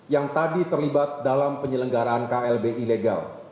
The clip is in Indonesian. yang tadi terlibat dalam penyelenggaraan klb ilegal